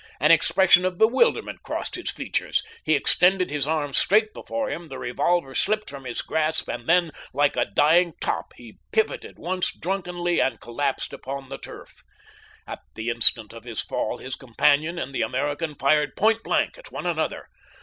An expression of bewilderment crossed his features. He extended his arms straight before him, the revolver slipped from his grasp, and then like a dying top he pivoted once drunkenly and collapsed upon the turf. At the instant of his fall his companion and the American fired point blank at one another.